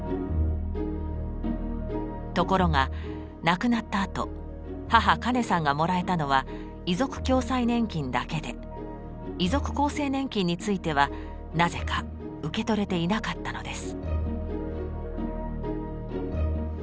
ところが亡くなったあと母・カネさんがもらえたのは遺族共済年金だけで遺族厚生年金についてはなぜか受け取れていなかったのです。